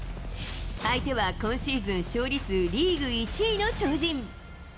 相手は、今シーズン勝利数リーグ１位の超人。